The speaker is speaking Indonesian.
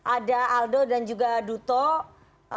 ada aldo dan juga duto